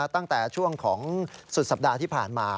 ตั้งแต่ช่วงของสุดสัปดาห์ที่ผ่านมา